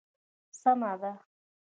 سمه ده.